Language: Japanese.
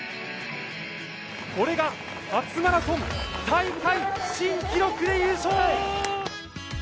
これが初マラソン大会新記録で優勝！